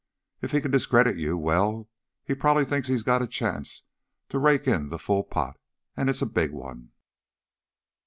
If he can discredit you, well, he probably thinks he's got a chance to rake in the full pot, and it's a big one.